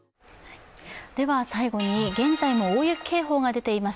最後に、現在も大雪警報が出ています